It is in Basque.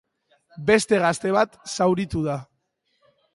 Beste gazte bat zauritu da.